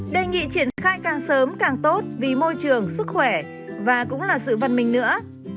đề nghị triển khai càng sớm càng tốt vì môi trường sức khỏe và cũng là sự văn minh nữa